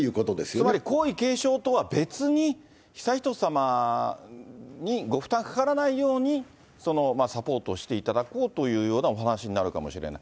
つまり皇位継承とは別に、悠仁さまにご負担がかからないように、サポートをしていただこうというようなお話になるかもしれない。